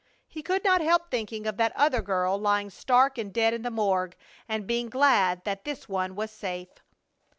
He could not help thinking of that other girl lying stark and dead in the morgue, and being glad that this one was safe.